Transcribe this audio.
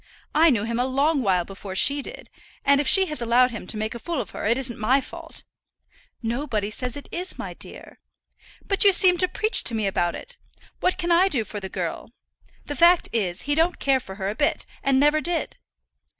I knew him a long while before she did, and if she has allowed him to make a fool of her, it isn't my fault." "Nobody says it is, my dear." "But you seem to preach to me about it. What can I do for the girl? The fact is, he don't care for her a bit, and never did."